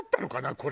これ。